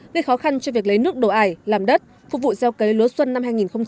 gây khó khăn cho việc lấy nước đồ ải làm đất phục vụ gieo cấy lúa xuân năm hai nghìn hai mươi